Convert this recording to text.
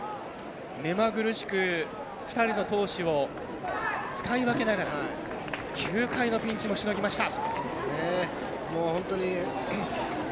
目まぐるしく２人の投手を使い分けながら９回のピンチもしのぎました。